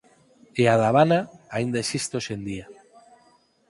E a da Habana aínda existe hoxe en día.